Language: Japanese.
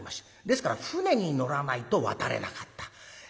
ですから舟に乗らないと渡れなかった。